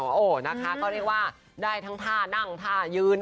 โอ้โหนะคะก็เรียกว่าได้ทั้งท่านั่งท่ายืน